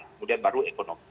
kemudian baru ekonomi